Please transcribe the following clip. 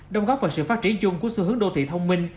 đồng góp vào sự phát triển chung của xu hướng đô thị thông minh